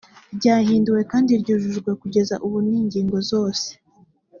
ryahinduwe kandi ryujujwe kugeza ubu n’ingingo zose